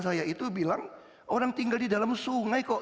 saya itu bilang orang tinggal di dalam sungai kok